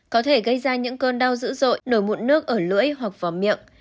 có thể gây ra những cơn đau dữ dội nổi mụn nước ở lưỡi hoặc vỏ miệng